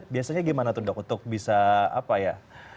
biasanya gimana tuh dok untuk bisa apa ya